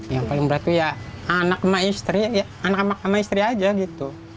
yang paling berat itu ya anak sama istri ya anak anak sama istri aja gitu